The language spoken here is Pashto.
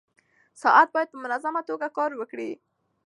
ساعت باید په منظمه توګه کار وکړي.